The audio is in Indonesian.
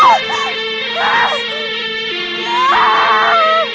bilah kami blues